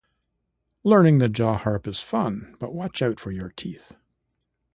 Learning the jaw harp is fun but watch out for your teeth